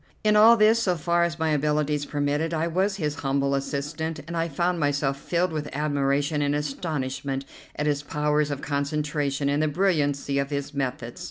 In all this, so far as my abilities permitted, I was his humble assistant, and I found myself filled with admiration and astonishment at his powers of concentration and the brilliancy of his methods.